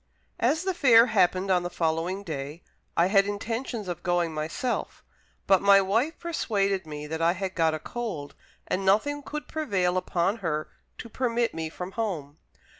As the fair happened on the following day, I had intentions of going myself; but my wife persuaded me that I had got a cold, and nothing could prevail upon her to permit me from home.